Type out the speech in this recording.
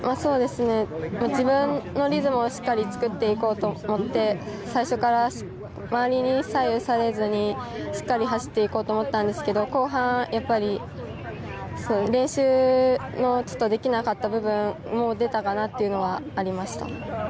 自分のリズムをしっかり作って行こうと思って、最初から周りに左右されずに、しっかり走って行こうと思ったんですけど、後半やっぱり練習をできなかった部分もあったかなというのはありました。